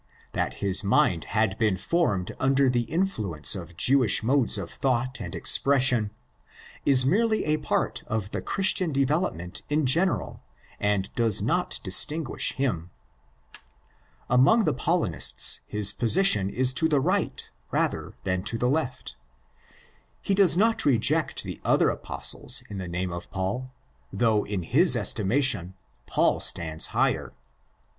That his mind had been formed under the influence of Jewish modes of thought and expression is merely a part of the Christian development in general, and does not distinguish him. Among the Paulinists his position is to the right rather than to the left. He does not reject the other Apostles in the name of Paul, though in his estima tion Paul stands higher.